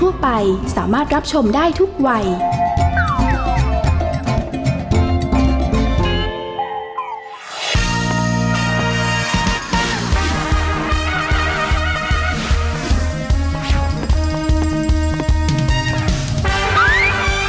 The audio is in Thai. แม่บ้านประจันบรรย์